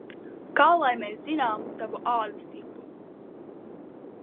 Kā lai mēs zinām tavu ādas tipu?